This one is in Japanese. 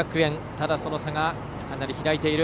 ただ、その差がかなり開いている。